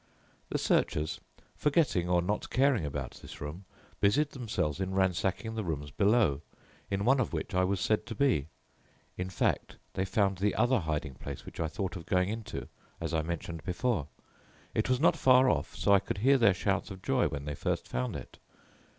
"The searchers, forgetting or not caring about this room, busied themselves in ransacking the rooms below, in one of which I was said to be. In fact, they found the other hiding place which I thought of going into, as I mentioned before. It was not far off, so I could hear their shouts of joy when they first found it.